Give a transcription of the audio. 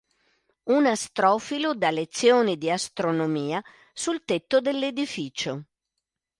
Un astrofilo da lezioni di astronomia sul tetto dell'edificio.